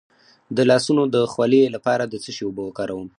د لاسونو د خولې لپاره د څه شي اوبه وکاروم؟